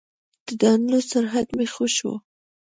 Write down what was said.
د ډاونلوډ سرعت مې ښه شو.